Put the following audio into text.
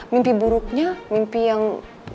mimpi buruknya mimpi yang